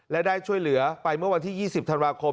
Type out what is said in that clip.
และได้ช่วยเหลือไปเมื่อวันที่๒๐ธันวาคม